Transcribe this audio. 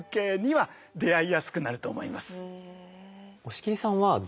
はい。